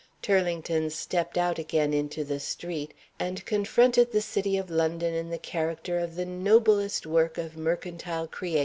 Turlington stepped out again into the street, and confronted the City of London in the character of the noblest work of mercantile creation a solvent man.